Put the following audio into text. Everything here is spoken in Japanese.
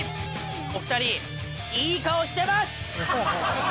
お二人いい顔してます！